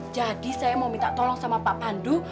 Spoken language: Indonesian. jadi saya mau minta tolong sama pak pandu